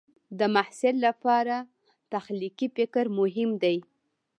د محصل لپاره تخلیقي فکر مهم دی.